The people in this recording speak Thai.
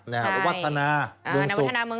ใช่และวัฒนาเมืองสูง